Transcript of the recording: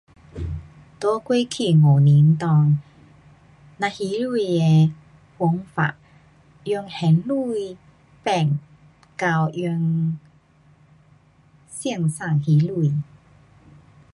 在过去五年内，咱还钱的方法用现钱变到用线上还钱。